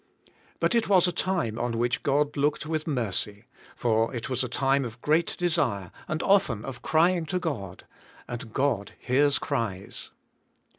But it was a time on which God looked with mercy, for it was a time of great desire and often of crying to God, and God hears cries.